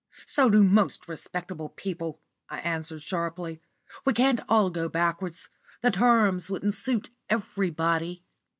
"So do most respectable people," I answered sharply. "We can't all go backwards. The terms wouldn't suit everybody."